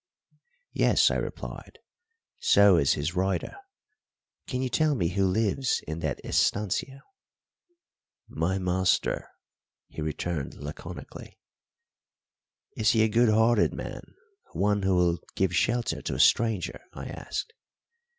"Yes," I replied; "so is his rider. Can you tell me who lives in that estancia?" "My master," he returned laconically. "Is he a good hearted man one who will give shelter to a stranger?" I asked.